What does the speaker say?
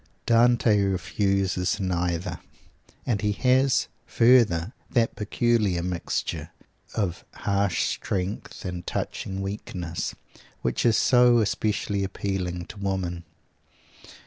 Dante refuses neither; and he has, further, that peculiar mixture of harsh strength and touching weakness, which is so especially appealing to women.